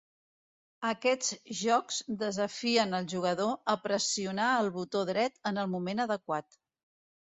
Aquests jocs desafien al jugador a pressionar el botó dret en el moment adequat.